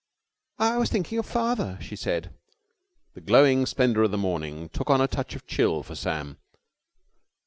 "I was thinking of father," she said. The glowing splendour of the morning took on a touch of chill for Sam.